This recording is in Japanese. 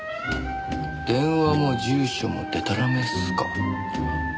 電話も住所もデタラメっすか。